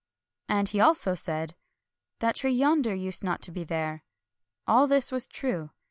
And he also said, —" The tree yonder used not to be there." All this was true.